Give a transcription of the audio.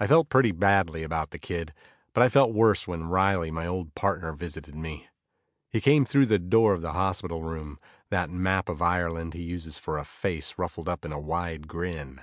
I felt pretty badly about the kid, but I felt worse when Riley, my old partner, visited me. He came through the door of the hospital room, that map of Ireland he uses for a face ruffled up in a wide grin.